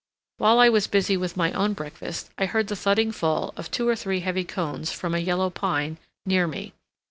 While I was busy with my own breakfast I heard the thudding fall of two or three heavy cones from a Yellow Pine near me.